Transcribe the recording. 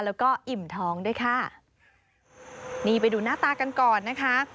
แล้วก็อิ่มท้องด้วยค่ะนี่ไปดูหน้าตากันก่อนนะคะ